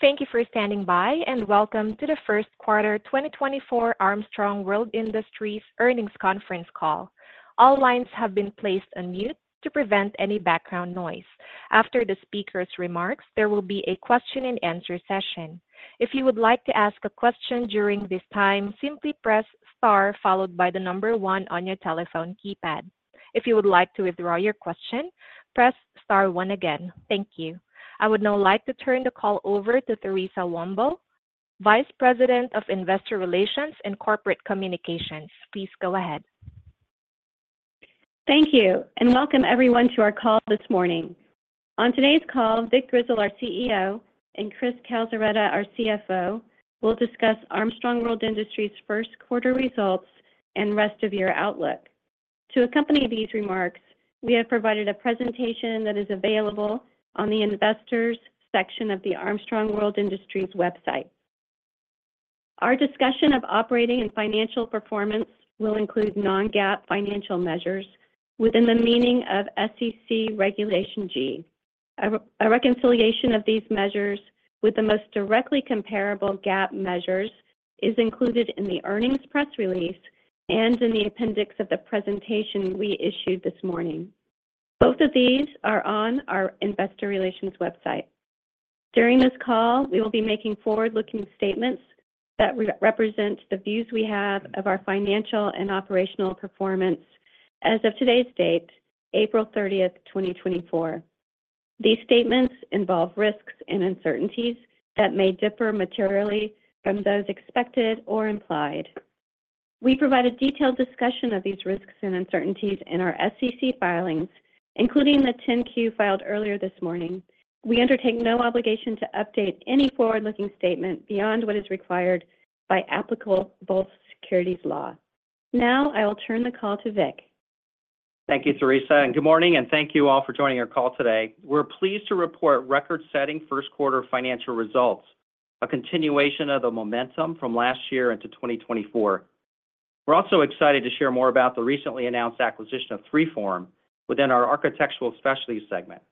Thank you for standing by, and welcome to the first quarter 2024 Armstrong World Industries earnings conference call. All lines have been placed on mute to prevent any background noise. After the speaker's remarks, there will be a question-and-answer session. If you would like to ask a question during this time, simply press star followed by the number one on your telephone keypad. If you would like to withdraw your question, press star one again. Thank you. I would now like to turn the call over to Theresa Womble, Vice President of Investor Relations and Corporate Communications. Please go ahead. Thank you, and welcome everyone to our call this morning. On today's call, Vic Grizzle, our CEO, and Chris Calzaretta, our CFO, will discuss Armstrong World Industries' first quarter results and rest-of-year outlook. To accompany these remarks, we have provided a presentation that is available on the Investors section of the Armstrong World Industries website. Our discussion of operating and financial performance will include non-GAAP financial measures within the meaning of SEC Regulation G, and a reconciliation of these measures with the most directly comparable GAAP measures is included in the earnings press release and in the appendix of the presentation we issued this morning. Both of these are on our investor relations website. During this call, we will be making forward-looking statements that represent the views we have of our financial and operational performance as of today's date, April 30th, 2024. These statements involve risks and uncertainties that may differ materially from those expected or implied. We provide a detailed discussion of these risks and uncertainties in our SEC filings, including the 10-Q filed earlier this morning. We undertake no obligation to update any forward-looking statement beyond what is required by applicable securities laws. Now, I will turn the call to Vic. Thank you, Theresa, and good morning, and thank you all for joining our call today. We're pleased to report record-setting first quarter financial results, a continuation of the momentum from last year into 2024. We're also excited to share more about the recently announced acquisition of 3form within our Architectural Specialties segment,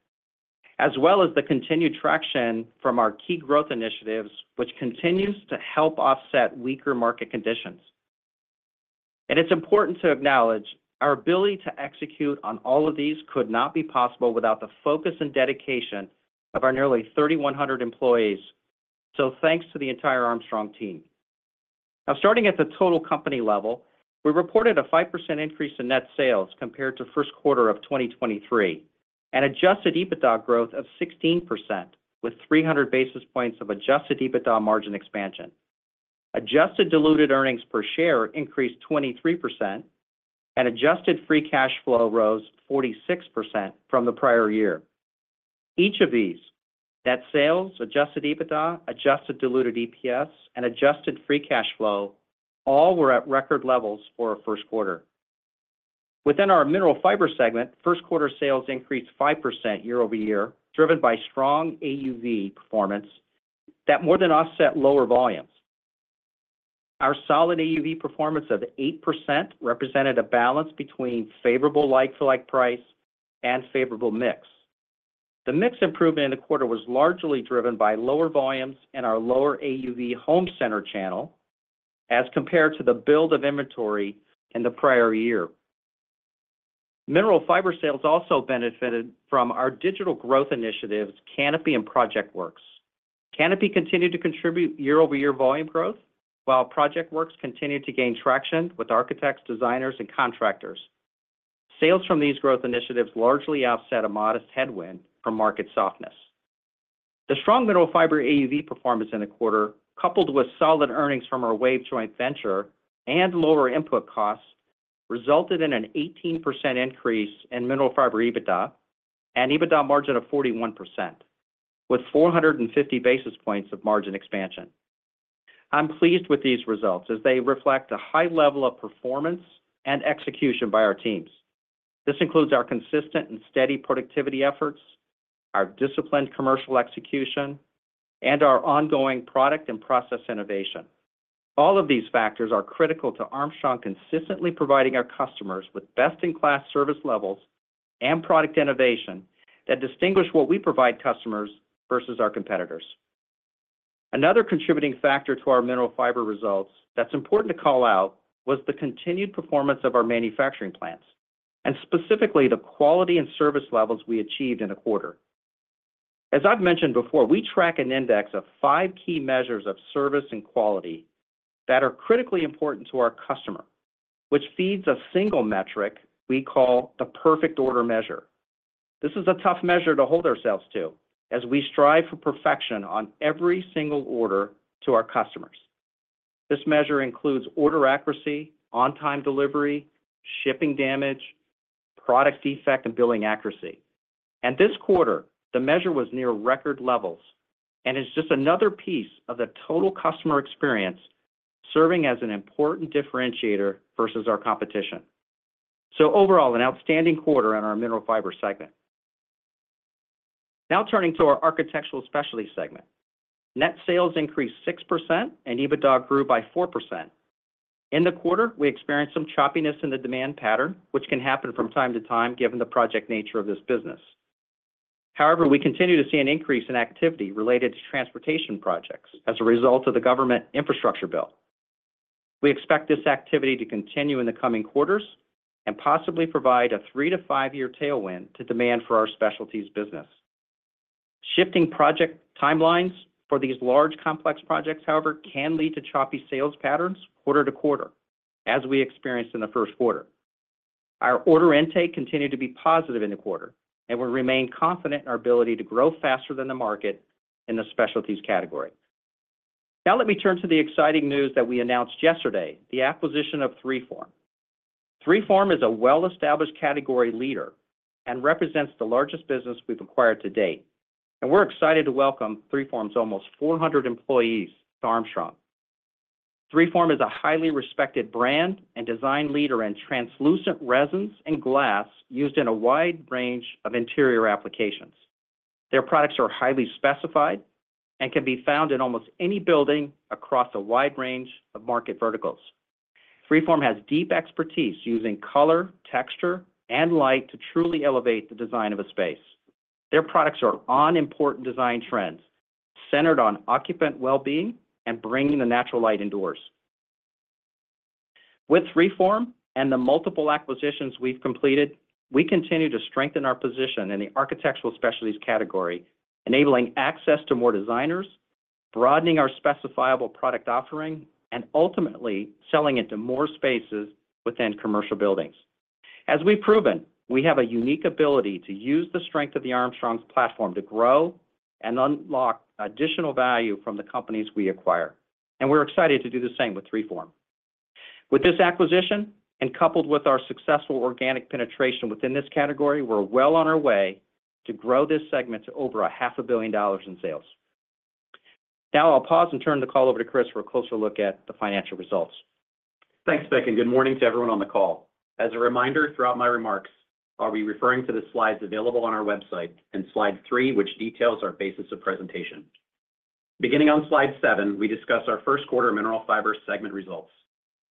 as well as the continued traction from our key growth initiatives, which continues to help offset weaker market conditions. And it's important to acknowledge our ability to execute on all of these could not be possible without the focus and dedication of our nearly 3,100 employees. So thanks to the entire Armstrong team. Now, starting at the total company level, we reported a 5% increase in net sales compared to first quarter of 2023, and adjusted EBITDA growth of 16%, with 300 basis points of adjusted EBITDA margin expansion. Adjusted diluted earnings per share increased 23%, and adjusted free cash flow rose 46% from the prior year. Each of these, net sales, adjusted EBITDA, adjusted diluted EPS, and adjusted free cash flow, all were at record levels for a first quarter. Within our mineral fiber segment, first quarter sales increased 5% year-over-year, driven by strong AUV performance that more than offset lower volumes. Our solid AUV performance of 8% represented a balance between favorable like-for-like price and favorable mix. The mix improvement in the quarter was largely driven by lower volumes and our lower AUV home center channel as compared to the build of inventory in the prior year. Mineral fiber sales also benefited from our digital growth initiatives, Kanopi and ProjectWorks. Kanopi continued to contribute year-over-year volume growth, while ProjectWorks continued to gain traction with architects, designers, and contractors. Sales from these growth initiatives largely offset a modest headwind from market softness. The strong mineral fiber AUV performance in the quarter, coupled with solid earnings from our WAVE joint venture and lower input costs, resulted in an 18% increase in mineral fiber EBITDA and EBITDA margin of 41%, with 450 basis points of margin expansion. I'm pleased with these results as they reflect a high level of performance and execution by our teams. This includes our consistent and steady productivity efforts, our disciplined commercial execution, and our ongoing product and process innovation. All of these factors are critical to Armstrong consistently providing our customers with best-in-class service levels and product innovation that distinguish what we provide customers versus our competitors. Another contributing factor to our mineral fiber results that's important to call out was the continued performance of our manufacturing plants, and specifically, the quality and service levels we achieved in the quarter. As I've mentioned before, we track an index of five key measures of service and quality that are critically important to our customer, which feeds a single metric we call the Perfect Order Measure. This is a tough measure to hold ourselves to as we strive for perfection on every single order to our customers. This measure includes order accuracy, on-time delivery, shipping damage, product defect, and billing accuracy. This quarter, the measure was near record levels and is just another piece of the total customer experience, serving as an important differentiator versus our competition. Overall, an outstanding quarter on our mineral fiber segment. Now turning to our Architectural Specialties segment. Net sales increased 6%, and EBITDA grew by 4%. In the quarter, we experienced some choppiness in the demand pattern, which can happen from time to time, given the project nature of this business. However, we continue to see an increase in activity related to transportation projects as a result of the government infrastructure bill. We expect this activity to continue in the coming quarters and possibly provide a three to five-year tailwind to demand for our specialties business. Shifting project timelines for these large, complex projects, however, can lead to choppy sales patterns quarter-to-quarter, as we experienced in the first quarter. Our order intake continued to be positive in the quarter, and we remain confident in our ability to grow faster than the market in the specialties category. Now let me turn to the exciting news that we announced yesterday, the acquisition of 3form. 3form is a well-established category leader and represents the largest business we've acquired to date, and we're excited to welcome 3form's almost 400 employees to Armstrong. 3form is a highly respected brand and design leader in translucent resins and glass used in a wide range of interior applications. Their products are highly specified and can be found in almost any building across a wide range of market verticals. 3form has deep expertise using color, texture, and light to truly elevate the design of a space. Their products are on important design trends, centered on occupant wellbeing and bringing the natural light indoors. With 3form and the multiple acquisitions we've completed, we continue to strengthen our position in the architectural specialties category, enabling access to more designers, broadening our specifiable product offering, and ultimately, selling into more spaces within commercial buildings. As we've proven, we have a unique ability to use the strength of the Armstrong's platform to grow and unlock additional value from the companies we acquire, and we're excited to do the same with 3form. With this acquisition, and coupled with our successful organic penetration within this category, we're well on our way to grow this segment to over $500 million in sales. Now, I'll pause and turn the call over to Chris for a closer look at the financial results. Thanks, Vic, and good morning to everyone on the call. As a reminder, throughout my remarks, I'll be referring to the slides available on our website, and slide three, which details our basis of presentation. Beginning on slide seven, we discuss our first quarter mineral fiber segment results.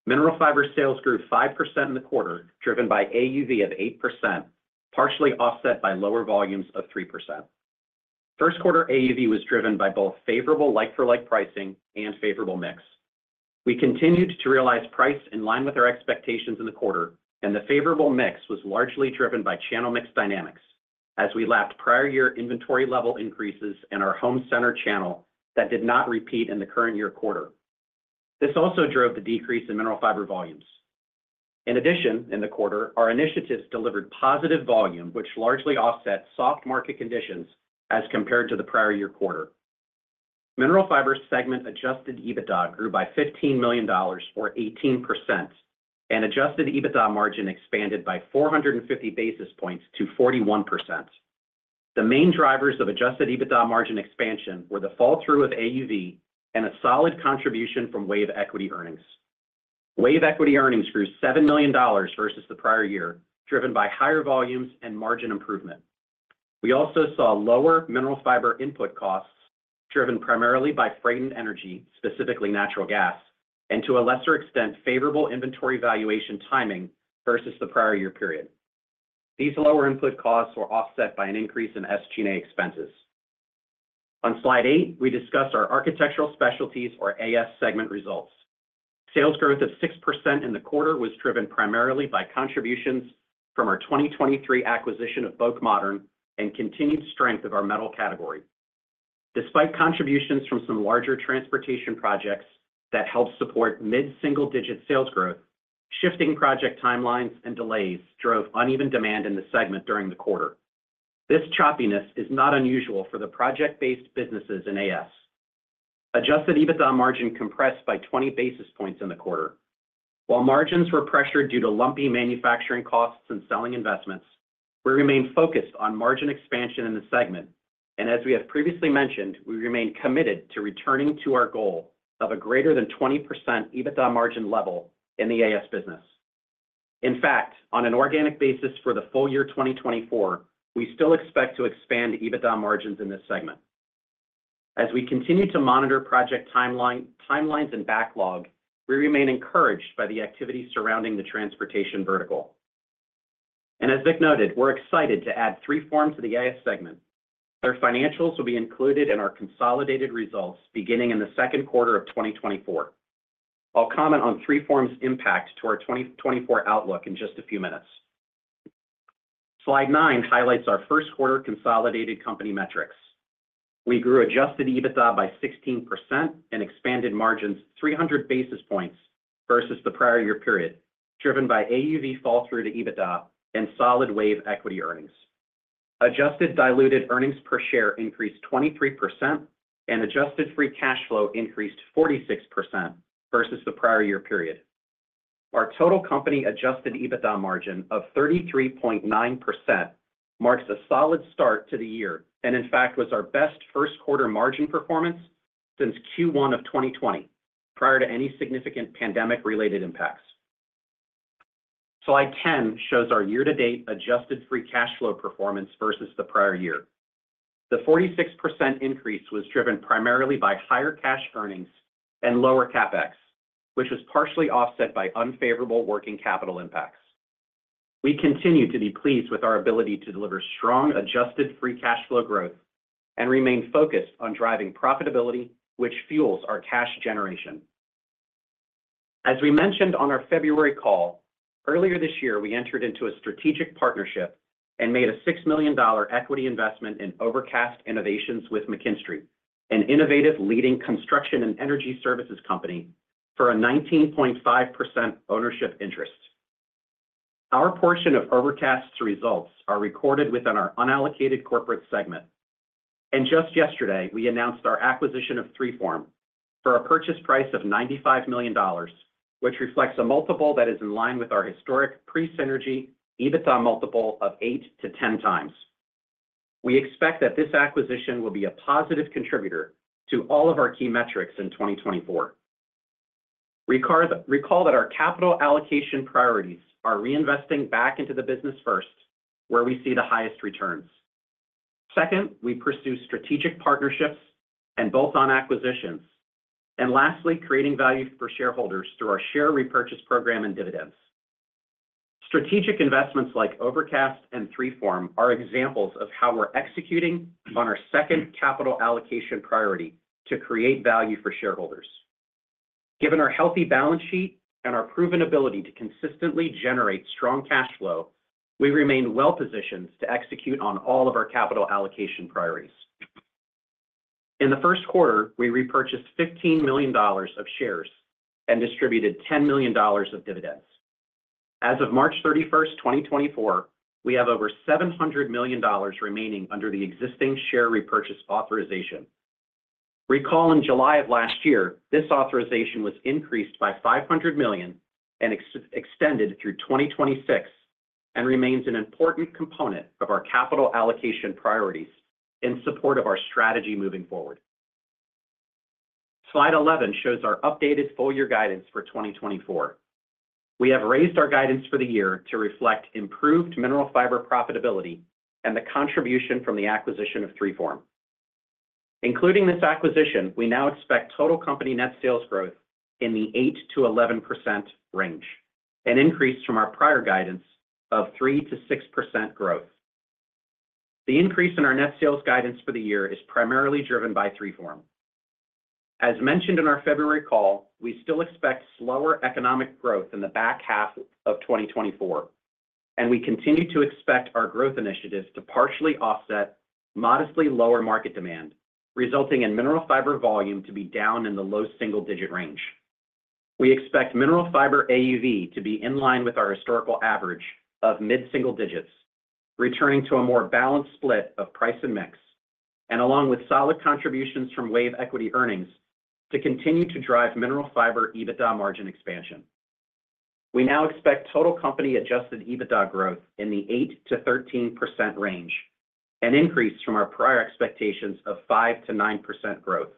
mineral fiber sales grew 5% in the quarter, driven by AUV of 8%, partially offset by lower volumes of 3%. First quarter AUV was driven by both favorable like-for-like pricing and favorable mix. We continued to realize price in line with our expectations in the quarter, and the favorable mix was largely driven by channel mix dynamics, as we lapped prior year inventory level increases in our Home Center channel that did not repeat in the current year quarter. This also drove the decrease in mineral fiber volumes. In addition, in the quarter, our initiatives delivered positive volume, which largely offset soft market conditions as compared to the prior year quarter. Mineral fiber segment adjusted EBITDA grew by $15 million, or 18%, and adjusted EBITDA margin expanded by 450 basis points to 41%. The main drivers of adjusted EBITDA margin expansion were the fall-through of AUV and a solid contribution from WAVE equity earnings. WAVE equity earnings grew $7 million versus the prior year, driven by higher volumes and margin improvement. We also saw mineral fiber input costs, driven primarily by freight and energy, specifically natural gas, and to a lesser extent, favorable inventory valuation timing versus the prior year period. These lower input costs were offset by an increase in SG&A expenses. On slide eight, we discuss our architectural specialties, or AS segment results. Sales growth of 6% in the quarter was driven primarily by contributions from our 2023 acquisition of BŌK Modern and continued strength of our metal category. Despite contributions from some larger transportation projects that helped support mid-single-digit sales growth, shifting project timelines and delays drove uneven demand in the segment during the quarter. This choppiness is not unusual for the project-based businesses in AS. Adjusted EBITDA margin compressed by 20 basis points in the quarter. While margins were pressured due to lumpy manufacturing costs and selling investments, we remain focused on margin expansion in the segment, and as we have previously mentioned, we remain committed to returning to our goal of a greater than 20% EBITDA margin level in the AS business. In fact, on an organic basis for the full year 2024, we still expect to expand EBITDA margins in this segment. As we continue to monitor project timeline, timelines, and backlog, we remain encouraged by the activity surrounding the transportation vertical. As Vic noted, we're excited to add 3form to the AS segment. Their financials will be included in our consolidated results beginning in the second quarter of 2024. I'll comment on 3form's impact to our 2024 outlook in just a few minutes. Slide nine highlights our first quarter consolidated company metrics. We grew Adjusted EBITDA by 16% and expanded margins 300 basis points versus the prior year period, driven by AUV fall through to EBITDA and solid WAVE earnings. Adjusted diluted earnings per share increased 23% and adjusted free cash flow increased 46% versus the prior year period. Our total company adjusted EBITDA margin of 33.9% marks a solid start to the year, and in fact, was our best first quarter margin performance since Q1 of 2020, prior to any significant pandemic-related impacts. Slide 10 shows our year-to-date adjusted free cash flow performance versus the prior year. The 46% increase was driven primarily by higher cash earnings and lower CapEx, which was partially offset by unfavorable working capital impacts. We continue to be pleased with our ability to deliver strong adjusted free cash flow growth and remain focused on driving profitability, which fuels our cash generation. As we mentioned on our February call, earlier this year, we entered into a strategic partnership and made a $6 million equity investment in Overcast Innovations with McKinstry, an innovative leading construction and energy services company, for a 19.5% ownership interest. Our portion of Overcast's results are recorded within our unallocated corporate segment. Just yesterday, we announced our acquisition of 3form for a purchase price of $95 million, which reflects a multiple that is in line with our historic pre-synergy EBITDA multiple of 8x-10x. We expect that this acquisition will be a positive contributor to all of our key metrics in 2024. Recall that our capital allocation priorities are reinvesting back into the business first, where we see the highest returns. Second, we pursue strategic partnerships and bolt-on acquisitions, and lastly, creating value for shareholders through our share repurchase program and dividends. Strategic investments like Overcast and 3form are examples of how we're executing on our second capital allocation priority to create value for shareholders. Given our healthy balance sheet and our proven ability to consistently generate strong cash flow, we remain well-positioned to execute on all of our capital allocation priorities. In the first quarter, we repurchased $15 million of shares and distributed $10 million of dividends. As of March 31st, 2024, we have over $700 million remaining under the existing share repurchase authorization. Recall in July of last year, this authorization was increased by $500 million and extended through 2026, and remains an important component of our capital allocation priorities in support of our strategy moving forward. Slide 11 shows our updated full year guidance for 2024. We have raised our guidance for the year to reflect mineral fiber profitability and the contribution from the acquisition of 3form. Including this acquisition, we now expect total company net sales growth in the 8%-11% range, an increase from our prior guidance of 3%-6% growth. The increase in our net sales guidance for the year is primarily driven by 3form. As mentioned in our February call, we still expect slower economic growth in the back half of 2024, and we continue to expect our growth initiatives to partially offset modestly lower market demand, resulting mineral fiber volume to be down in the low single-digit range. We mineral fiber AUV to be in line with our historical average of mid-single digits, returning to a more balanced split of price and mix, and along with solid contributions from WAVE equity earnings, to continue to mineral fiber EBITDA margin expansion. We now expect total company adjusted EBITDA growth in the 8%-13% range, an increase from our prior expectations of 5%-9% growth.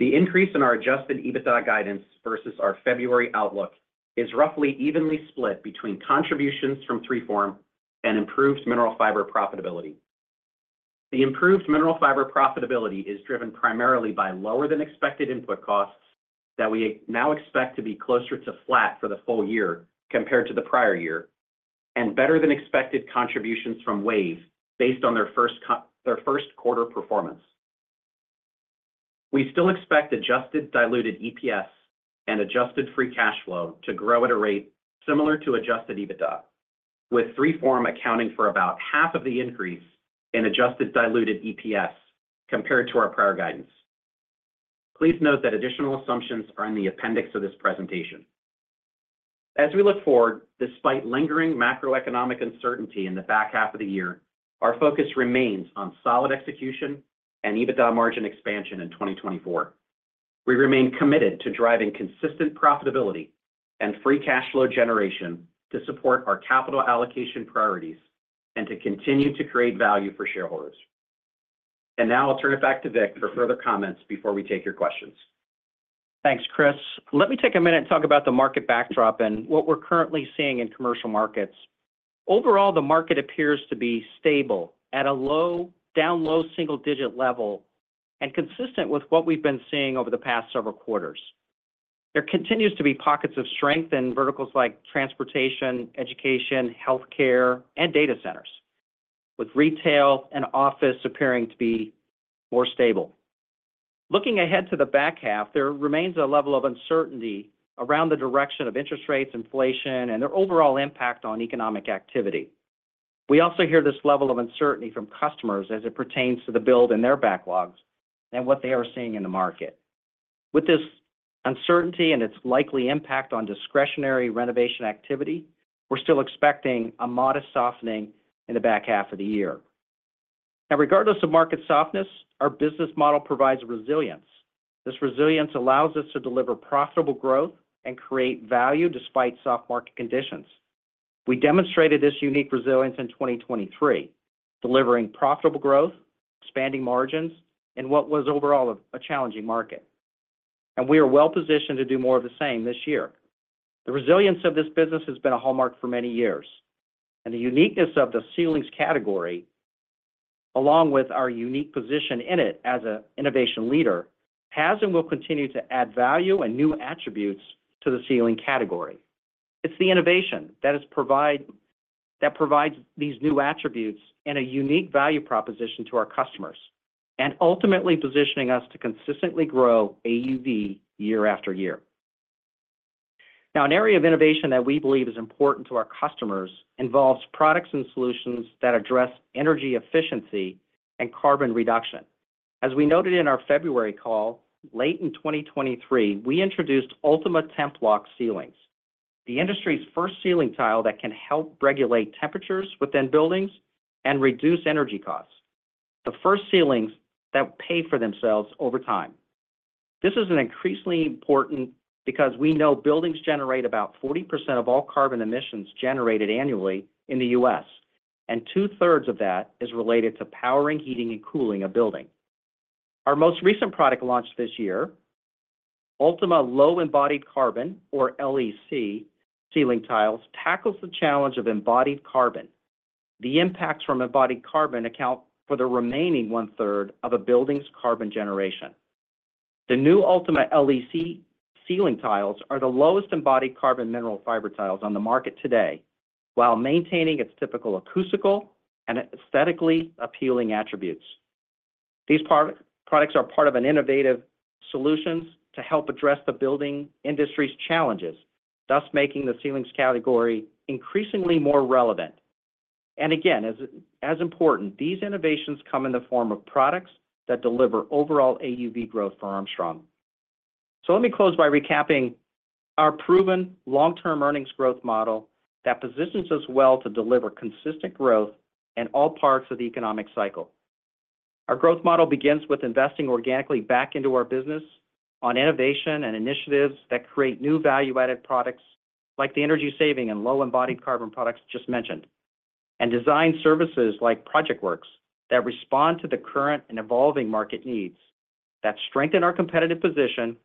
The increase in our adjusted EBITDA guidance versus our February outlook is roughly evenly split between contributions from 3form and mineral fiber profitability. The mineral fiber profitability is driven primarily by lower than expected input costs that we now expect to be closer to flat for the full year compared to the prior year, and better than expected contributions from WAVE based on their first quarter performance. We still expect adjusted diluted EPS and adjusted free cash flow to grow at a rate similar to adjusted EBITDA, with 3form accounting for about half of the increase in adjusted diluted EPS compared to our prior guidance. Please note that additional assumptions are in the appendix of this presentation. As we look forward, despite lingering macroeconomic uncertainty in the back half of the year, our focus remains on solid execution and EBITDA margin expansion in 2024. We remain committed to driving consistent profitability and free cash flow generation to support our capital allocation priorities and to continue to create value for shareholders. Now I'll turn it back to Vic for further comments before we take your questions. Thanks, Chris. Let me take a minute to talk about the market backdrop and what we're currently seeing in commercial markets. Overall, the market appears to be stable at a low, down low single digit level and consistent with what we've been seeing over the past several quarters. There continues to be pockets of strength in verticals like transportation, education, healthcare, and data centers, with retail and office appearing to be more stable. Looking ahead to the back half, there remains a level of uncertainty around the direction of interest rates, inflation, and their overall impact on economic activity. We also hear this level of uncertainty from customers as it pertains to the build in their backlogs and what they are seeing in the market. With this uncertainty and its likely impact on discretionary renovation activity, we're still expecting a modest softening in the back half of the year. Now, regardless of market softness, our business model provides resilience. This resilience allows us to deliver profitable growth and create value despite soft market conditions. We demonstrated this unique resilience in 2023, delivering profitable growth, expanding margins, in what was overall a challenging market and we are well positioned to do more of the same this year. The resilience of this business has been a hallmark for many years, and the uniqueness of the ceilings category, along with our unique position in it as an innovation leader, has and will continue to add value and new attributes to the ceiling category. It's the innovation that provides these new attributes and a unique value proposition to our customers, and ultimately positioning us to consistently grow AUV year after year. Now, an area of innovation that we believe is important to our customers involves products and solutions that address energy efficiency and carbon reduction. As we noted in our February call, late in 2023, we introduced Ultima Templok ceilings, the industry's first ceiling tile that can help regulate temperatures within buildings and reduce energy costs. The first ceilings that pay for themselves over time. This is an increasingly important because we know buildings generate about 40% of all carbon emissions generated annually in the U.S., and two-thirds of that is related to powering, heating, and cooling a building. Our most recent product launch this year, Ultima Low Embodied Carbon, or LEC ceiling tiles, tackles the challenge of embodied carbon. The impacts from embodied carbon account for the remaining 1/3 of a building's carbon generation. The new Ultima LEC ceiling tiles are the lowest embodied mineral fiber tiles on the market today, while maintaining its typical acoustical and aesthetically appealing attributes. These products are part of an innovative solutions to help address the building industry's challenges, thus making the ceilings category increasingly more relevant. And again, as important, these innovations come in the form of products that deliver overall AUV growth for Armstrong. So let me close by recapping our proven long-term earnings growth model that positions us well to deliver consistent growth in all parts of the economic cycle. Our growth model begins with investing organically back into our business on innovation and initiatives that create new value-added products, like the energy-saving and low-embodied carbon products just mentioned, and design services like ProjectWorks, that respond to the current and evolving market needs, that strengthen our competitive position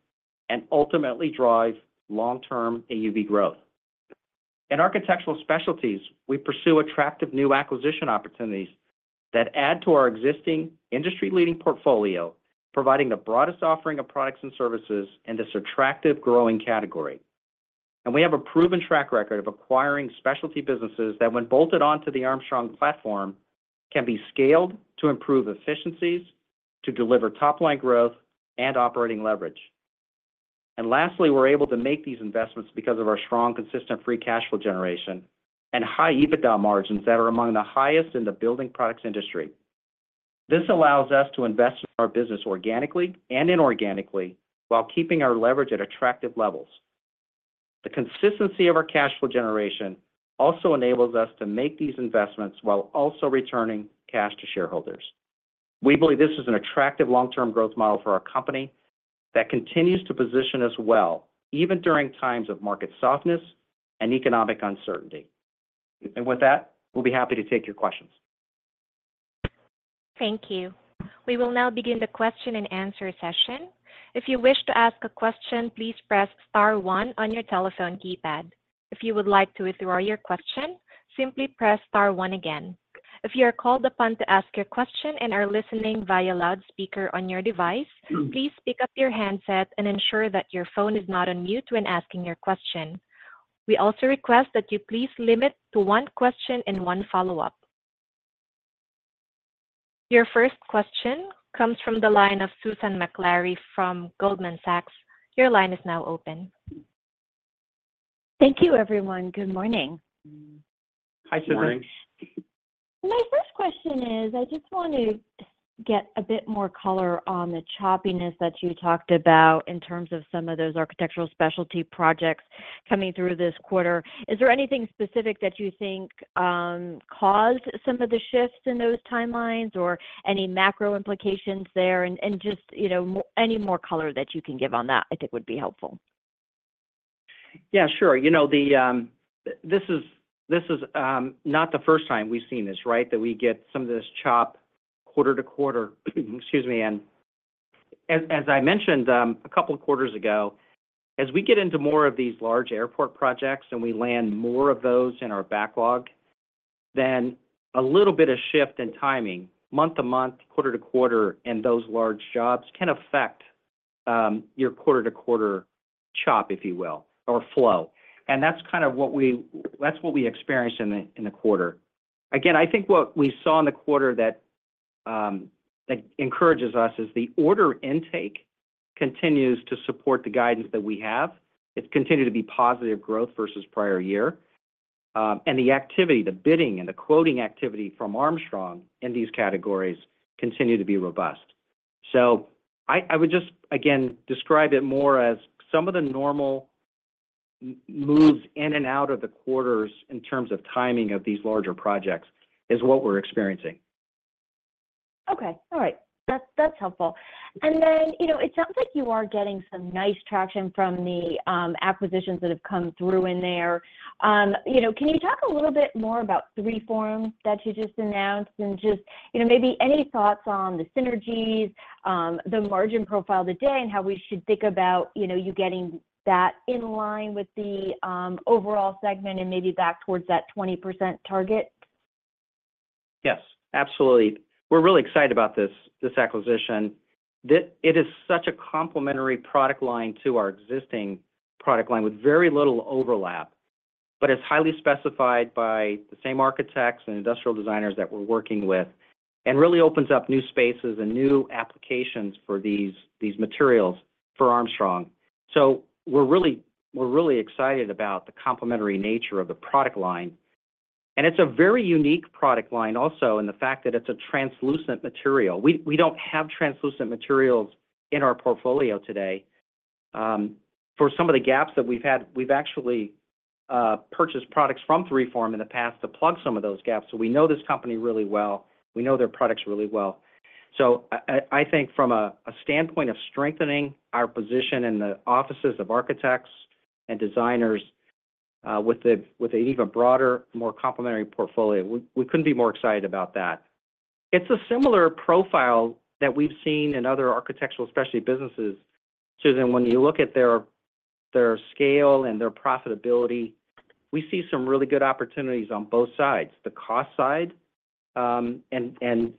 and ultimately drive long-term AUV growth. In Architectural Specialties, we pursue attractive new acquisition opportunities that add to our existing industry-leading portfolio, providing the broadest offering of products and services in this attractive, growing category. And we have a proven track record of acquiring specialty businesses that, when bolted onto the Armstrong platform, can be scaled to improve efficiencies, to deliver top-line growth and operating leverage. And lastly, we're able to make these investments because of our strong, consistent free cash flow generation and high EBITDA margins that are among the highest in the building products industry. This allows us to invest in our business organically and inorganically, while keeping our leverage at attractive levels. The consistency of our cash flow generation also enables us to make these investments while also returning cash to shareholders. We believe this is an attractive long-term growth model for our company that continues to position us well, even during times of market softness and economic uncertainty. With that, we'll be happy to take your questions. Thank you. We will now begin the question-and-answer session. If you wish to ask a question, please press star one on your telephone keypad. If you would like to withdraw your question, simply press star one again. If you are called upon to ask a question and are listening via loudspeaker on your device, please pick up your handset and ensure that your phone is not on mute when asking your question. We also request that you please limit to one question and one follow-up. Your first question comes from the line of Susan Maklari from Goldman Sachs. Your line is now open. Thank you, everyone. Good morning. Hi, Susan. Good morning. My first question is, I just wanted to get a bit more color on the choppiness that you talked about in terms of some of those Architectural Specialties projects coming through this quarter. Is there anything specific that you think caused some of the shifts in those timelines or any macro implications there? And just, you know, more, any more color that you can give on that, I think would be helpful. Yeah, sure. You know, the, this is not the first time we've seen this, right? That we get some of this chop quarter-to-quarter, excuse me. And as I mentioned, a couple of quarters ago, as we get into more of these large airport projects and we land more of those in our backlog, then a little bit of shift in timing, month-to-month, quarter-to-quarter, in those large jobs can affect, your quarter-to-quarter chop, if you will, or flow. And that's kind of what we - that's what we experienced in the quarter. Again, I think what we saw in the quarter that, that encourages us, is the order intake continues to support the guidance that we have. It's continued to be positive growth versus prior year. The activity, the bidding, and the quoting activity from Armstrong in these categories continue to be robust. So I would just, again, describe it more as some of the normal moves in and out of the quarters in terms of timing of these larger projects, is what we're experiencing. Okay. All right, that's helpful. And then, you know, it sounds like you are getting some nice traction from the acquisitions that have come through in there. You know, can you talk a little bit more about 3form that you just announced? And just, you know, maybe any thoughts on the synergies, the margin profile today, and how we should think about, you know, you getting that in line with the overall segment and maybe back towards that 20% target? Yes, absolutely. We're really excited about this acquisition. It is such a complementary product line to our existing product line, with very little overlap. But it's highly specified by the same architects and industrial designers that we're working with, and really opens up new spaces and new applications for these materials for Armstrong. So we're really excited about the complementary nature of the product line. And it's a very unique product line also, in the fact that it's a translucent material. We don't have translucent materials in our portfolio today. For some of the gaps that we've had, we've actually purchased products from 3form in the past to plug some of those gaps, so we know this company really well. We know their products really well. So I think from a standpoint of strengthening our position in the offices of architects and designers, with an even broader, more complementary portfolio, we couldn't be more excited about that. It's a similar profile that we've seen in other Architectural Specialties businesses. So then when you look at their scale and their profitability, we see some really good opportunities on both sides. The cost side, and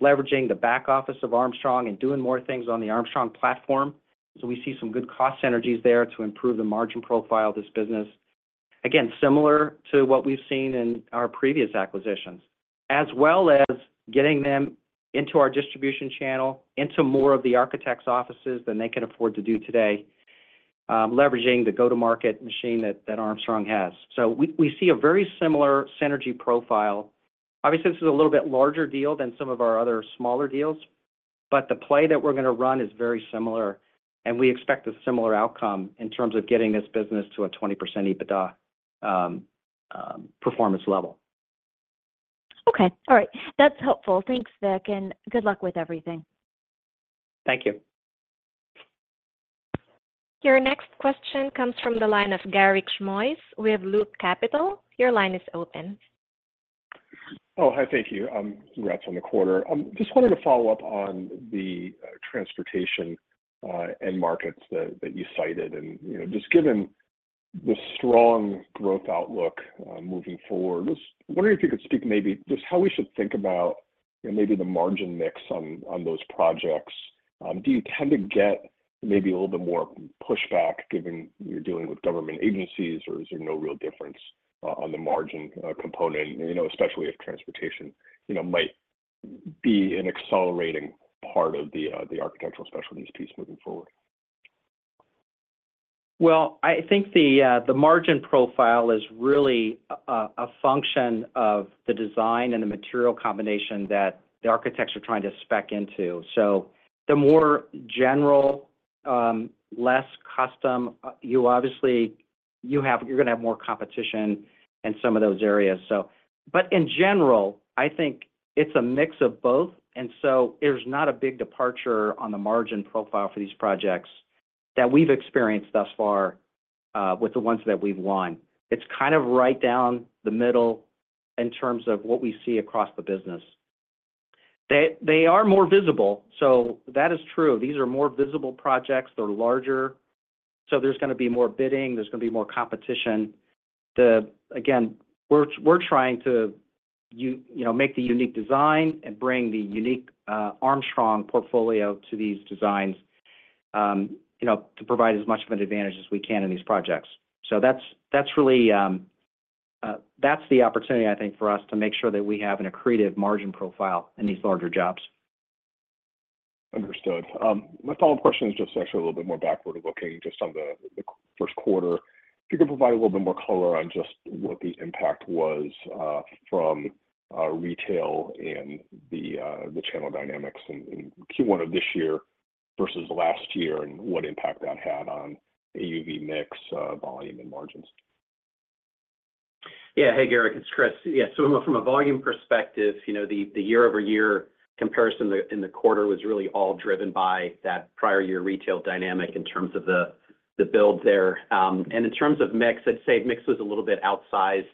leveraging the back office of Armstrong and doing more things on the Armstrong platform. So we see some good cost synergies there to improve the margin profile of this business. Again, similar to what we've seen in our previous acquisitions, as well as getting them into our distribution channel, into more of the architects' offices than they can afford to do today, leveraging the go-to-market machine that Armstrong has. So we see a very similar synergy profile. Obviously, this is a little bit larger deal than some of our other smaller deals, but the play that we're going to run is very similar, and we expect a similar outcome in terms of getting this business to a 20% EBITDA performance level. Okay. All right. That's helpful. Thanks, Vic, and good luck with everything. Thank you. Your next question comes from the line of Garik Shmois with Loop Capital. Your line is open. Oh, hi. Thank you. Congrats on the quarter. Just wanted to follow up on the transportation end markets that you cited. And, you know, just given the strong growth outlook moving forward, just wondering if you could speak maybe just how we should think about, you know, maybe the margin mix on those projects. Do you tend to get maybe a little bit more pushback, given you're dealing with government agencies, or is there no real difference on the margin component? You know, especially if transportation might be an accelerating part of the Architectural Specialties piece moving forward. Well, I think the margin profile is really a function of the design and the material combination that the architects are trying to spec into. So the more general, less custom, you obviously you're going to have more competition in some of those areas, so. But in general, I think it's a mix of both, and so there's not a big departure on the margin profile for these projects that we've experienced thus far with the ones that we've won. It's kind of right down the middle in terms of what we see across the business. They are more visible, so that is true. These are more visible projects. They're larger, so there's going to be more bidding, there's going to be more competition. Then, again, we're trying to, you know, make the unique design and bring the unique Armstrong portfolio to these designs, you know, to provide as much of an advantage as we can in these projects. So that's really, that's the opportunity, I think, for us to make sure that we have an accretive margin profile in these larger jobs. Understood. My follow-up question is just actually a little bit more backward-looking, just on the first quarter. If you could provide a little bit more color on just what the impact was from retail and the channel dynamics in Q1 of this year versus last year, and what impact that had on AUV mix, volume and margins. Yeah. Hey, Gary, it's Chris. Yeah, so from a volume perspective, you know, the year-over-year comparison in the quarter was really all driven by that prior year retail dynamic in terms of the build there. And in terms of mix, I'd say mix was a little bit outsized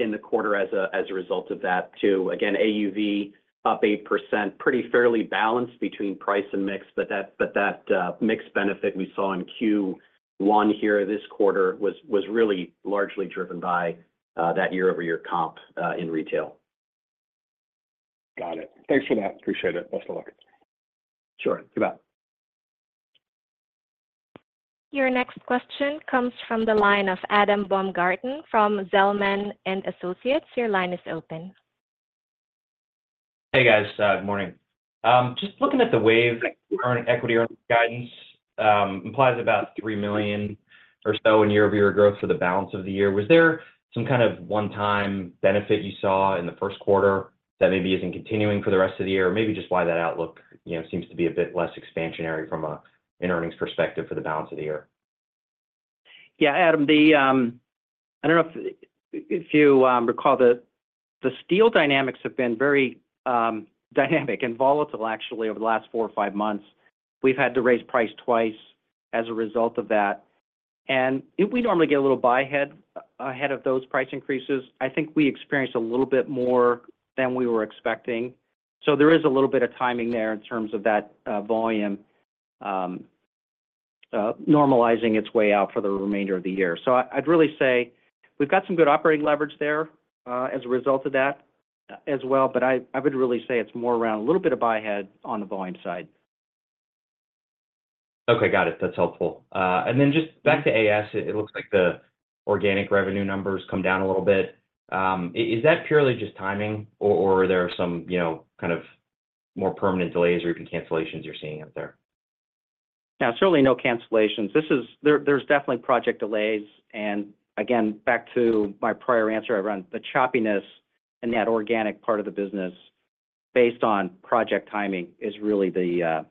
in the quarter as a result of that, too. Again, AUV up 8%, pretty fairly balanced between price and mix, but that mix benefit we saw in Q1 here this quarter was really largely driven by that year-over-year comp in retail. Got it. Thanks for that. Appreciate it. Best of luck. Sure. Goodbye. Your next question comes from the line of Adam Baumgarten from Zelman and Associates. Your line is open. Hey, guys, good morning. Just looking at the WAVE equity earnings guidance, implies about $3 million or so in year-over-year growth for the balance of the year. Was there some kind of one-time benefit you saw in the first quarter that maybe isn't continuing for the rest of the year? Or maybe just why that outlook, you know, seems to be a bit less expansionary from an earnings perspective for the balance of the year? Yeah, Adam, the, I don't know if you recall the Steel Dynamics have been very dynamic and volatile actually, over the last four or five months. We've had to raise price twice as a result of that. And if we normally get a little buy ahead ahead of those price increases, I think we experienced a little bit more than we were expecting. So there is a little bit of timing there in terms of that volume normalizing its way out for the remainder of the year. So I'd really say we've got some good operating leverage there as a result of that as well, but I would really say it's more around a little bit of buy ahead on the volume side. Okay, got it. That's helpful. Then just back to AS, it looks like the organic revenue numbers come down a little bit. Is that purely just timing, or are there some, you know, kind of more permanent delays or even cancellations you're seeing out there? Yeah, certainly no cancellations. There's definitely project delays, and again, back to my prior answer around the choppiness in that organic part of the business based on project timing is really the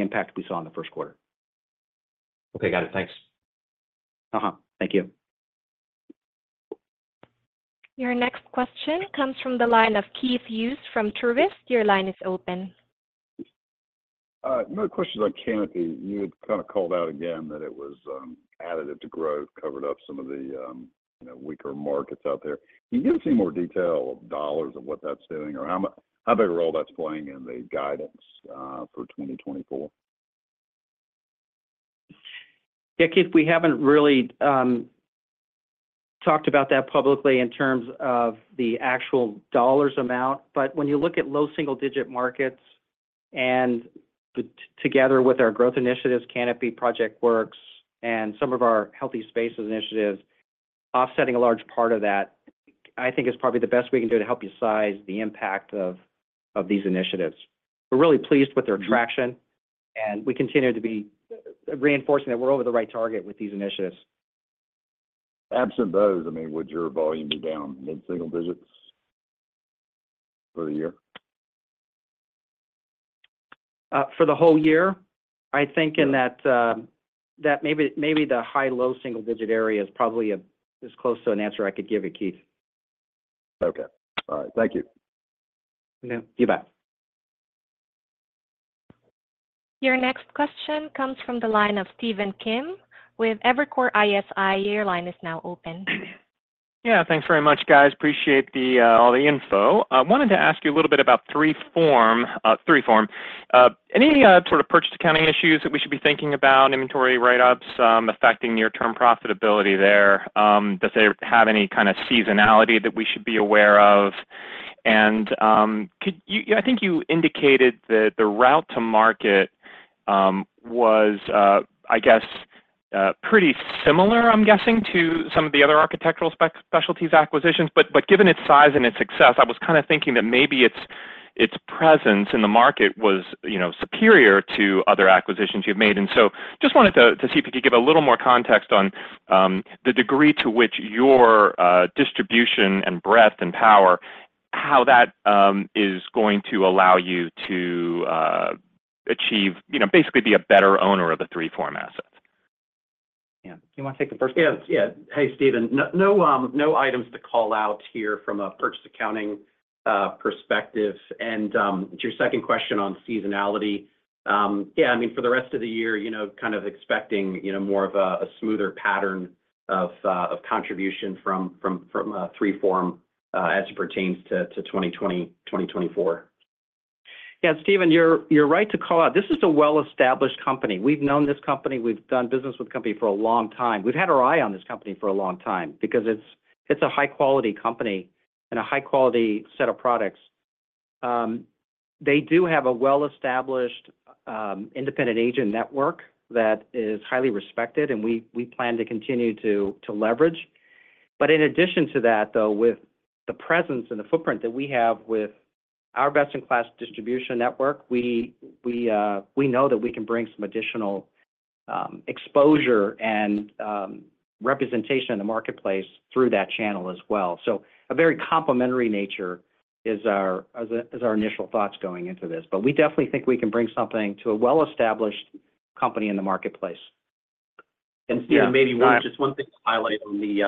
impact we saw in the first quarter. Okay, got it. Thanks. Uh-huh. Thank you. Your next question comes from the line of Keith Hughes from Truist. Your line is open. Another question on Kanopi. You had kind of called out again that it was additive to growth, covered up some of the, you know, weaker markets out there. Can you give some more detail of dollars of what that's doing, or how big a role that's playing in the guidance for 2024? Yeah, Keith, we haven't really talked about that publicly in terms of the actual dollars amount. But when you look at low single digit markets and together with our growth initiatives, Kanopi, ProjectWorks, and some of our healthy spaces initiatives, offsetting a large part of that, I think is probably the best we can do to help you size the impact of these initiatives. We're really pleased with their traction, and we continue to be reinforcing that we're over the right target with these initiatives. Absent those, I mean, would your volume be down mid-single digits for the year? For the whole year? I think in that maybe the high, low single digit area is probably, as close to an answer I could give you, Keith. Okay. All right. Thank you. Yeah, you bet. Your next question comes from the line of Stephen Kim with Evercore ISI. Your line is now open. Yeah, thanks very much, guys. Appreciate the all the info. I wanted to ask you a little bit about 3form. Any sort of purchase accounting issues that we should be thinking about, inventory write-ups, affecting near-term profitability there? Does they have any kind of seasonality that we should be aware of? And, could you—I think you indicated that the route to market was, I guess, pretty similar, I'm guessing, to some of the other architectural specialties acquisitions. But given its size and its success, I was kind of thinking that maybe its presence in the market was, you know, superior to other acquisitions you've made. Just wanted to see if you could give a little more context on the degree to which your distribution and breadth and power, how that is going to allow you to achieve, you know, basically be a better owner of the 3form assets. Yeah. You want to take the first one? Yeah. Yeah. Hey, Stephen. No items to call out here from a purchase accounting perspective. To your second question on seasonality, yeah, I mean, for the rest of the year, you know, kind of expecting, you know, more of a smoother pattern of contribution from 3form, as it pertains to 2020, 2024. Yeah, Stephen, you're right to call out. This is a well-established company. We've known this company, we've done business with the company for a long time. We've had our eye on this company for a long time because it's a high-quality company and a high-quality set of products. They do have a well-established independent agent network that is highly respected, and we plan to continue to leverage. But in addition to that, though, with the presence and the footprint that we have with our best-in-class distribution network, we know that we can bring some additional exposure and representation in the marketplace through that channel as well. So a very complementary nature is our initial thoughts going into this but we definitely think we can bring something to a well-established company in the marketplace. Stephen, maybe one, just one thing to highlight on the,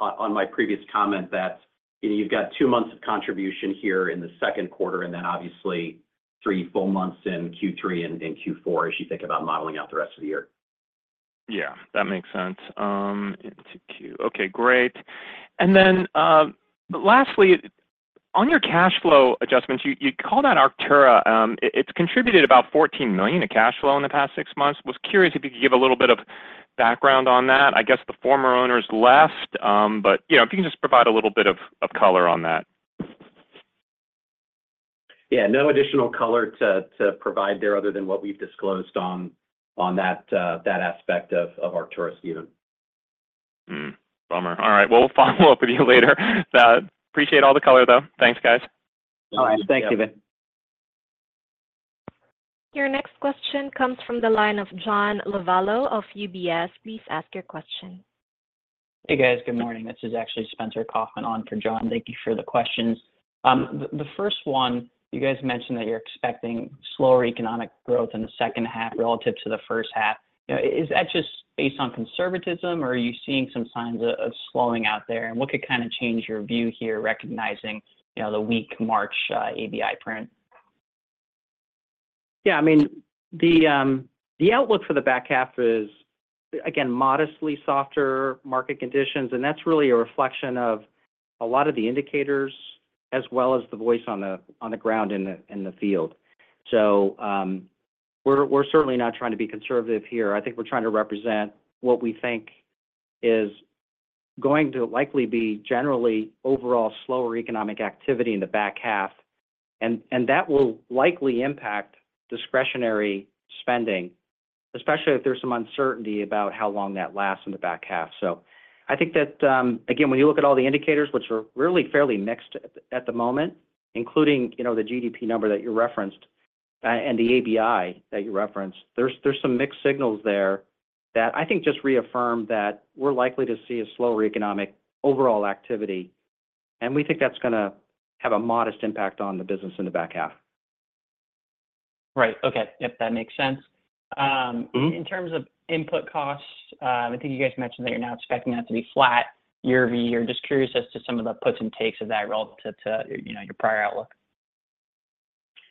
on my previous comment, that, you know, you've got two months of contribution here in the second quarter, and then obviously three full months in Q3 and Q4, as you think about modeling out the rest of the year. Yeah, that makes sense. Okay, great. And then, lastly, on your cash flow adjustmentyou called out Arktura. It's contributed about $14 million in cash flow in the past six months. Was curious if you could give a little bit of background on that. I guess the former owners left, but, you know, if you can just provide a little bit of color on that. Yeah, no additional color to provide there other than what we've disclosed on that aspect of Arktura, Stephen. Hmm, bummer. All right, well, we'll follow up with you later. Appreciate all the color, though. Thanks, guys. All right. Thank you, Stephen. Your next question comes from the line of John Lovallo of UBS. Please ask your question. Hey, guys. Good morning. This is actually Spencer Kaufman on for John. Thank you for the questions. The first one, you guys mentioned that you're expecting slower economic growth in the second half relative to the first half. Yeah, is that just based on conservatism, or are you seeing some signs of slowing out there? And what could kind of change your view here, recognizing, you know, the weak March ABI print? Yeah, I mean, the outlook for the back half is, again, modestly softer market conditions, and that's really a reflection of a lot of the indicators as well as the voice on the ground in the field. So, we're certainly not trying to be conservative here. I think we're trying to represent what we think is going to likely be generally overall slower economic activity in the back half. And that will likely impact discretionary spending, especially if there's some uncertainty about how long that lasts in the back half. So I think that, again, when you look at all the indicators, which are really fairly mixed at the moment, including, you know, the GDP number that you referenced, and the ABI that you referenced, there's some mixed signals there that I think just reaffirm that we're likely to see a slower economic overall activity, and we think that's going to have a modest impact on the business in the back half. Right. Okay. Yep, that makes sense. Mm-hmm. In terms of input costs, I think you guys mentioned that you're now expecting that to be flat year-over-year. Just curious as to some of the puts and takes of that relative to, you know, your prior outlook.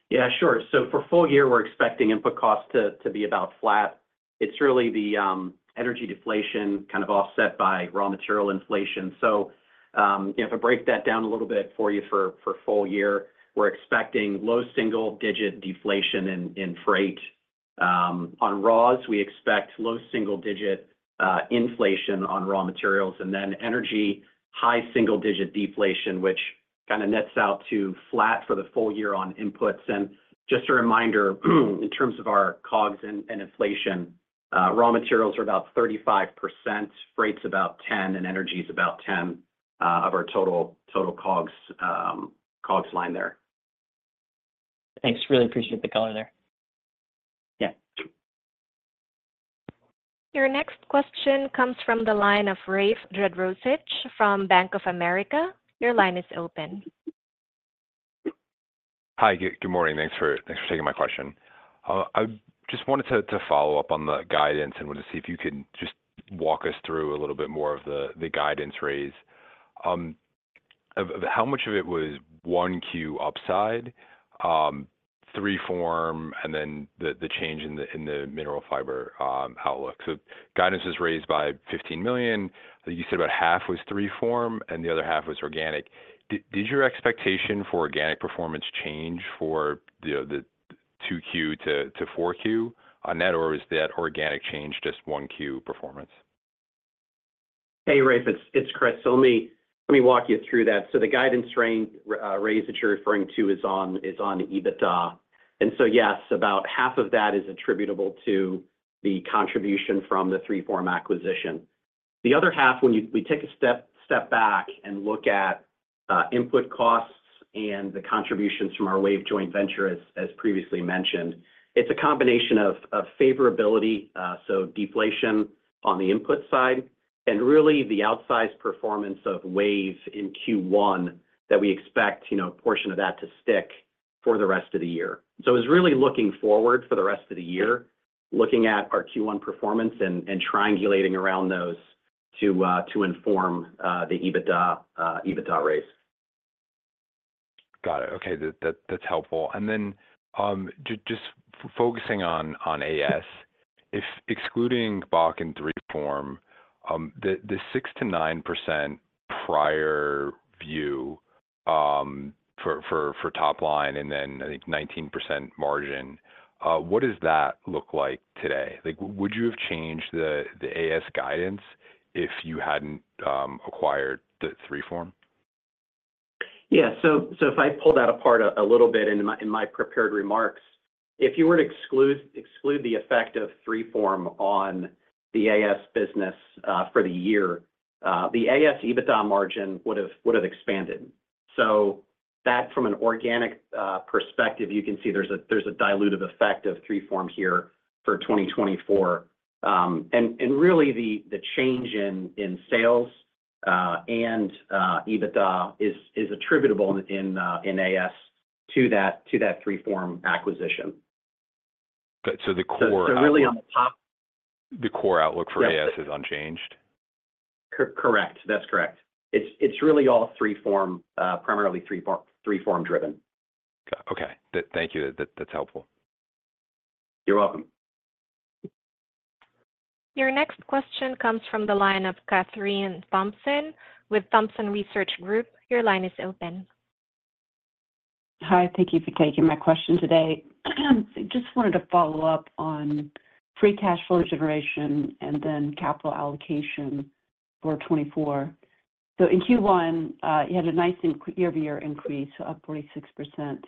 Yeah, sure. So for full year, we're expecting input costs to, to be about flat. It's really the, energy deflation kind of offset by raw material inflation. So, if I break that down a little bit for you for full year, we're expecting low single-digit deflation in, in freight. On raws, we expect low single-digit, inflation on raw materials, and then energy, high single-digit deflation, which kind of nets out to flat for the full year on inputs. And just a reminder, in terms of our COGS and inflation, raw materials are about 35%, freights about 10%, and energy is about 10%, of our total COGS line there. Thanks. Really appreciate the color there. Yeah. Your next question comes from the line of Rafe Jadrosich from Bank of America. Your line is open. Hi, good, good morning. Thanks for taking my question. I just wanted to follow up on the guidance and wanted to see if you can just walk us through a little bit more of the guidance raise. How much of it was 1Q upside, 3form, and then the change in mineral fiber outlook? So guidance is raised by $15 million. You said about half was 3form, and the other half was organic. Did your expectation for organic performance change for the 2Q to 4Q on that, or is that organic change just 1Q performance? Hey, Rafe, it's Chris. So let me walk you through that. So the guidance range raise that you're referring to is on EBITDA. And so yes, about half of that is attributable to the contribution from the 3form acquisition. The other half, when we take a step back and look at input costs and the contributions from our WAVE joint venture, as previously mentioned, it's a combination of favorability, so deflation on the input side, and really the outsized performance of WAVE in Q1 that we expect, you know, a portion of that to stick for the rest of the year. So it's really looking forward for the rest of the year, looking at our Q1 performance and triangulating around those to inform the EBITDA raise. Got it. Okay. That's helpful. And then, just focusing on AS, if excluding BOK and 3form, the 6%-9% prior view for top line, and then I think 19% margin, what does that look like today? Like, would you have changed the AS guidance if you hadn't acquired the 3form? Yeah. So if I pulled that apart a little bit in my prepared remarks, if you were to exclude the effect of 3form on the AS business for the year, the AS EBITDA margin would've expanded. So that from an organic perspective, you can see there's a dilutive effect of 3form here for 2024. And really, the change in sales and EBITDA is attributable in AS to that 3form acquisition. So the core- So really on the top- The core outlook for AS is unchanged? Correct. That's correct. It's really all 3form, primarily 3form driven. Okay. Thank you. That's helpful. You're welcome. Your next question comes from the line of Kathryn Thompson with Thompson Research Group. Your line is open. Hi, thank you for taking my question today. Just wanted to follow up on free cash flow generation and then capital allocation for 2024. So in Q1, you had a nice increase year-over-year, up 46%,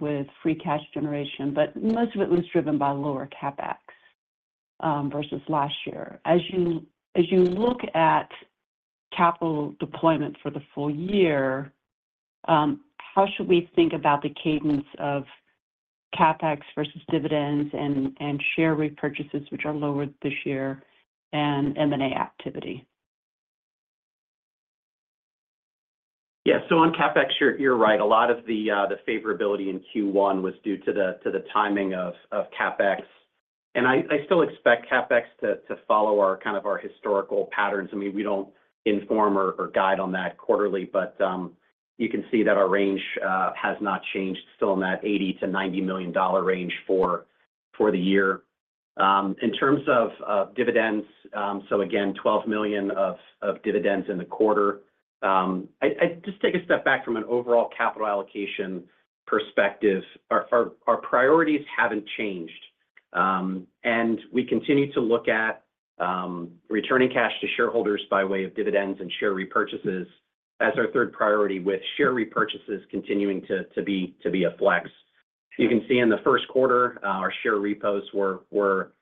with free cash generation, but most of it was driven by lower CapEx versus last year. As you look at capital deployment for the full year, how should we think about the cadence of CapEx versus dividends and share repurchases, which are lower this year, and M&A activity? Yeah. So on CapEx, you're right. A lot of the favorability in Q1 was due to the timing of CapEx. And I still expect CapEx to follow our kind of historical patterns. I mean, we don't inform or guide on that quarterly, but you can see that our range has not changed, still in that $80-$90 million range for the year. In terms of dividends, so again, $12 million of dividends in the quarter. I just take a step back from an overall capital allocation perspectives. Our priorities haven't changed. And we continue to look at returning cash to shareholders by way of dividends and share repurchases as our third priority, with share repurchases continuing to be a flex. You can see in the first quarter, our share repos were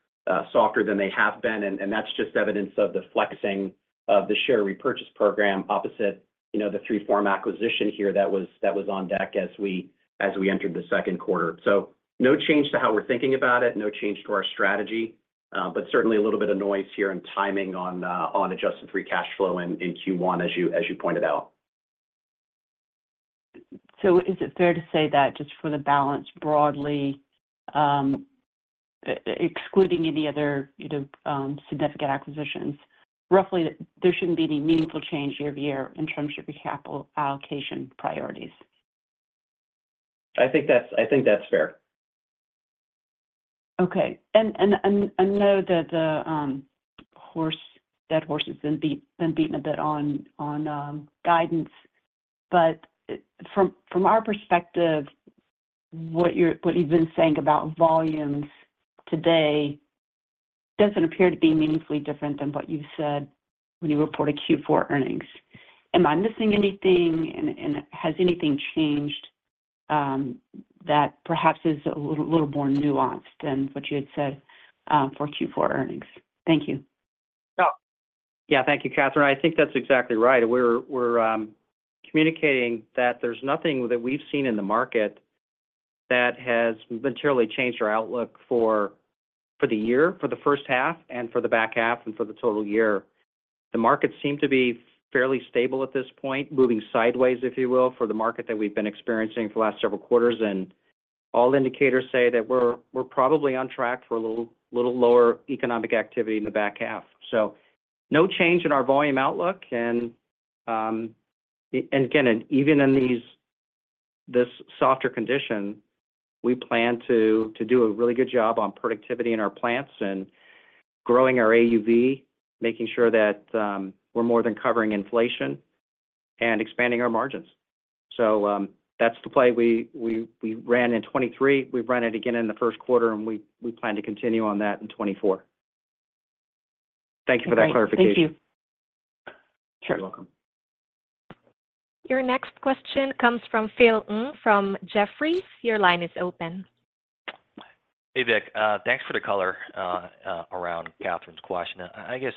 softer than they have been, and that's just evidence of the flexing of the share repurchase program opposite, you know, the 3form acquisition here that was on deck as we entered the second quarter. So no change to how we're thinking about it, no change to our strategy, but certainly a little bit of noise here and timing on adjusted free cash flow in Q1, as you pointed out. So is it fair to say that just for the balance broadly, excluding any other, you know, significant acquisitions, roughly, there shouldn't be any meaningful change year-over-year in terms of your capital allocation priorities? I think that's fair. Okay. And I know that the course has been beaten a bit on guidance, but from our perspective, what you've been saying about volumes today doesn't appear to be meaningfully different than what you said when you reported Q4 earnings. Am I missing anything, and has anything changed that perhaps is a little more nuanced than what you had said for Q4 earnings? Thank you. Yeah. Yeah, thank you, Kathryn. I think that's exactly right. We're communicating that there's nothing that we've seen in the market that has materially changed our outlook for the year, for the first half and for the back half, and for the total year. The markets seem to be fairly stable at this point, moving sideways, if you will, for the market that we've been experiencing for the last several quarters. And all indicators say that we're probably on track for a little lower economic activity in the back half. So no change in our volume outlook. And again, even in this softer condition, we plan to do a really good job on productivity in our plants and growing our AUV, making sure that we're more than covering inflation and expanding our margins. So, that's the play we ran in 2023. We've run it again in the first quarter, and we plan to continue on that in 2024. Thank you for that clarification. Thank you. You're welcome. Your next question comes from Phil Ng, from Jefferies. Your line is open. Hey, Vic. Thanks for the color around Kathryn's question. I guess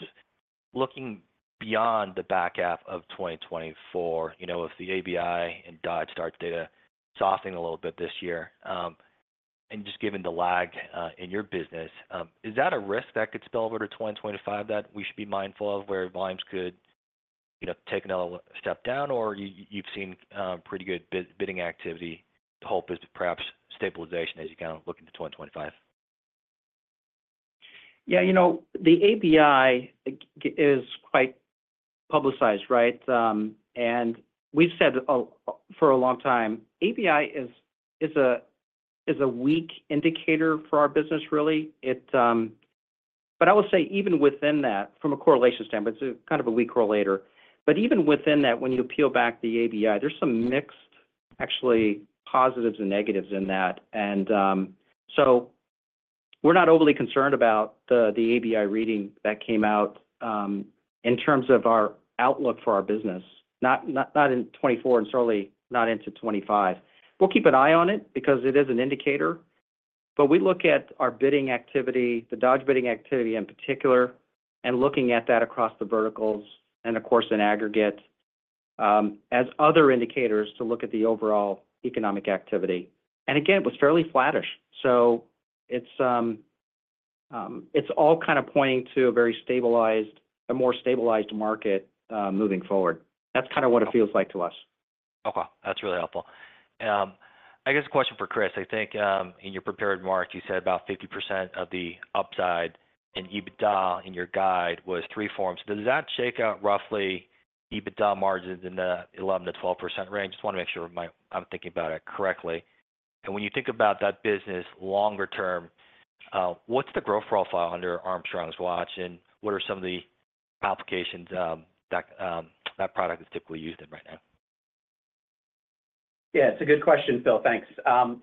looking beyond the back half of 2024, you know, if the ABI and Dodge start data softening a little bit this year, and just given the lag in your business, is that a risk that could spill over to 2025 that we should be mindful of, where volumes could, you know, take another step down? Or you've seen pretty good bidding activity, the hope is perhaps stabilization as you kind of look into 2025? Yeah, you know, the ABI is quite publicized, right? And we've said for a long time, ABI is a weak indicator for our business, really. It. But I will say even within that, from a correlation standpoint, it's kind of a weak correlator. But even within that, when you peel back the ABI, there's some mixed, actually, positives and negatives in that. So we're not overly concerned about the ABI reading that came out, in terms of our outlook for our business, not in 2024, and certainly not into 2025. We'll keep an eye on it because it is an indicator, but we look at our bidding activity, the Dodge bidding activity in particular, and looking at that across the verticals and, of course, in aggregate, as other indicators to look at the overall economic activity. Again, it was fairly flattish, so it's all kind of pointing to a more stabilized market, moving forward. That's kind of what it feels like to us. Okay. That's really helpful. I guess a question for Chris. I think in your prepared remarks, you said about 50% of the upside in EBITDA in your guide was 3form. Does that shake out roughly EBITDA margins in the 11%-12% range? Just want to make sure I'm thinking about it correctly. And when you think about that business longer term, what's the growth profile under Armstrong's watch, and what are some of the applications that product is typically used in right now? Yeah, it's a good question, Phil. Thanks.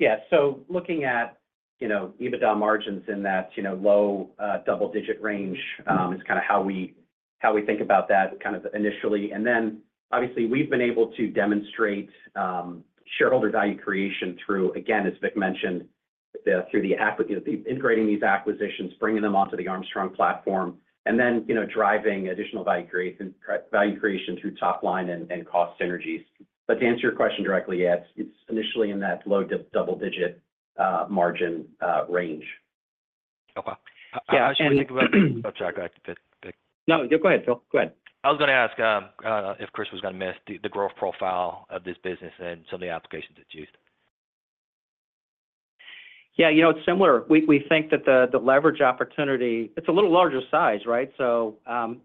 Yeah, so looking at, you know, EBITDA margins in that, you know, low, double-digit range, is kind of how we, how we think about that kind of initially. And then, obviously, we've been able to demonstrate, shareholder value creation through, again, as Vic mentioned, through the integrating these acquisitions, bringing them onto the Armstrong platform, and then, you know, driving additional value creation, value creation through top line and, and cost synergies. But to answer your question directly, yes, it's initially in that low double digit, margin, range. Okay. I actually think about oh, sorry, go ahead, Vic. No, go ahead, Phil. Go ahead. I was going to ask, if Chris was going to mention the growth profile of this business and some of the applications it's used. Yeah, you know, it's similar. We, we think that the, the leverage opportunity, it's a little larger size, right? So,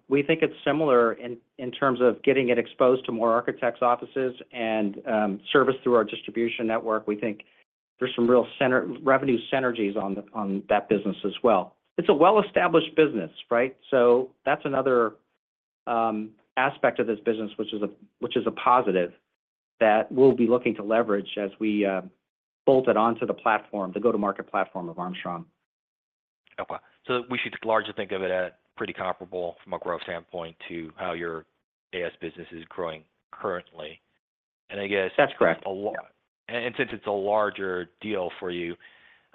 we think it's similar in, in terms of getting it exposed to more architects' offices and, service through our distribution network. We think there's some real center-- revenue synergies on the, on that business as well. It's a well-established business, right? So that's another, aspect of this business, which is a, which is a positive that we'll be looking to leverage as we, bolt it onto the platform, the go-to-market platform of Armstrong. Okay. So we should largely think of it at pretty comparable from a growth standpoint to how your AS business is growing currently. And I guess- That's correct. And since it's a larger deal for you,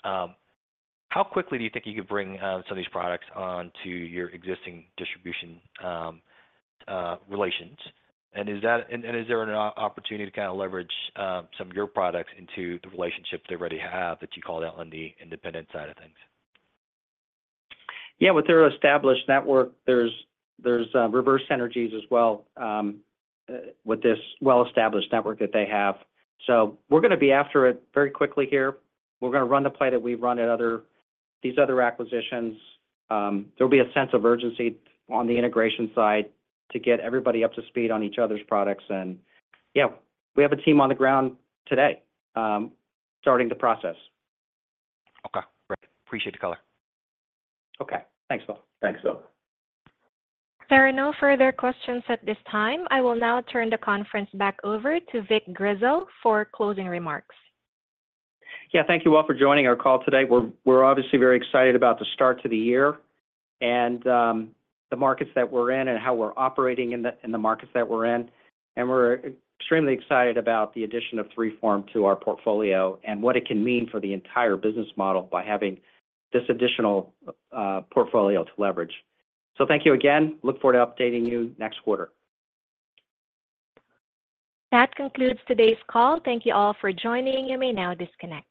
how quickly do you think you could bring some of these products onto your existing distribution relations? And is that—and, and is there an opportunity to kind of leverage some of your products into the relationships they already have, that you called out on the independent side of things? Yeah, with their established network, there's reverse synergies as well with this well-established network that they have. So we're going to be after it very quickly here. We're going to run the play that we've run at these other acquisitions. There'll be a sense of urgency on the integration side to get everybody up to speed on each other's products. Yeah, we have a team on the ground today starting the process. Okay. Great. Appreciate the color. Okay. Thanks, Phil. Thanks, Phil. There are no further questions at this time. I will now turn the conference back over to Vic Grizzle for closing remarks. Yeah, thank you all for joining our call today. We're obviously very excited about the start to the year and the markets that we're in and how we're operating in the markets that we're in. And we're extremely excited about the addition of 3form to our portfolio and what it can mean for the entire business model by having this additional portfolio to leverage. So thank you again. Look forward to updating you next quarter. That concludes today's call. Thank you all for joining. You may now disconnect.